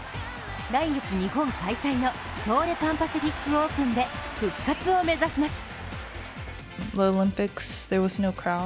来月、日本開催の東レ・パン・パシフィックオープンで復活を目指します。